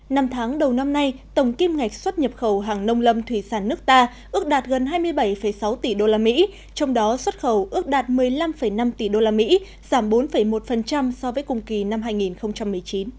năm tháng đầu năm nay tổng kim ngạch xuất nhập khẩu hàng nông lâm thủy sản nước ta ước đạt gần hai mươi bảy sáu tỷ usd trong đó xuất khẩu ước đạt một mươi năm năm tỷ usd giảm bốn một so với cùng kỳ năm hai nghìn một mươi chín